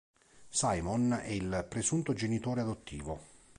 Simon è il presunto genitore adottivo.